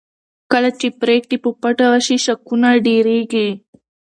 کله چې پرېکړې په پټه وشي شکونه ډېرېږي